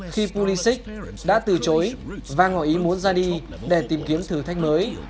khi puricis đã từ chối và ngỏ ý muốn ra đi để tìm kiếm thử thách mới